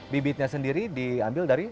bibitnya sendiri diambil dari